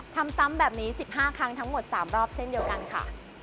ทำซำแบบนี้สิบห้าครั้งทั้งหมดสามรอบเส้นเดียวกันค่ะ